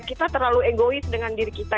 kita terlalu egois dengan diri kita